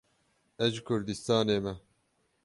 Ez ji Kurdistanê me